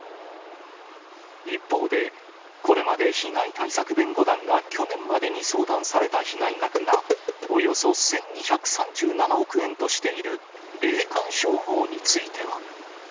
一方で、これまで被害対策弁護団が去年までに相談された被害額が、およそ１２３７億円としている、霊感商法については。